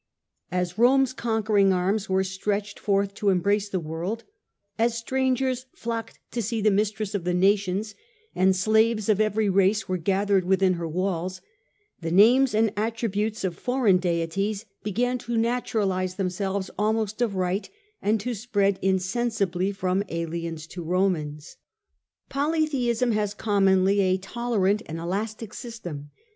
As Romeos conquering arms were stretched forth to embrace the world, as strangers flocked to see the mistress of the nations, and slaves of every race were gathered within her walls, the names and attributes of foreign deities began to naturalize themselves almost of right, and to spread insensibly from aliens to Romans. Polytheism has commonly a tolerant and elastic system.